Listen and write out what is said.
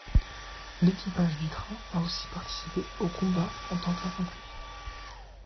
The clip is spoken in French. L'équipage du train a aussi participé aux combats en tant qu'infanterie.